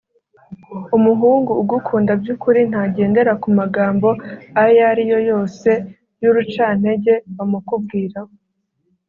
Umuhungu ugukunda by’ukuri ntagendera ku magambo ayo ariyo yose y’urucantege bamukubwiraho